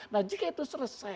nah jika itu selesai